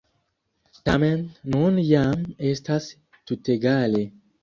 Tamen, nun jam estas tutegale.